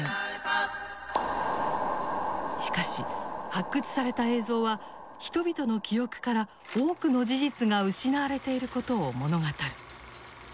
しかし発掘された映像は人々の記憶から多くの事実が失われていることを物語る。